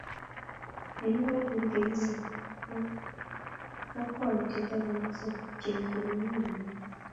nekibwaten chekimen ko kokwatunwek taman ak somok chemiten emet nenyon